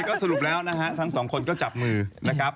ก็สรุปแล้วนะฮะทั้งสองคนก็จับมือนะครับ